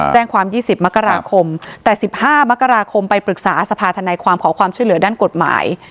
แจ้งความ๒๐มกราคมแต่๑๕มกราคมไปปรึกษาสภาธนายความขอความช่วยเหลือด้านกฎหมาย